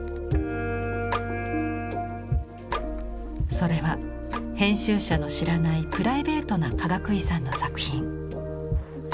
それは編集者の知らないプライベートなかがくいさんの作品。